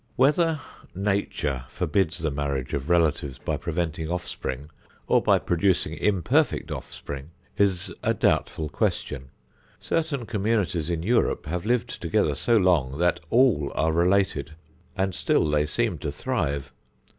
Whether Nature forbids the marriage of relatives by preventing offspring or by producing imperfect offspring is a doubtful question. Certain communities in Europe have lived together so long that all are related and still they seem to thrive.